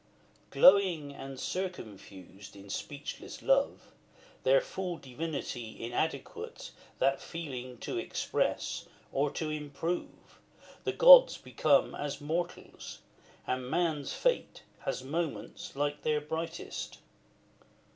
LII. Glowing, and circumfused in speechless love, Their full divinity inadequate That feeling to express, or to improve, The gods become as mortals, and man's fate Has moments like their brightest!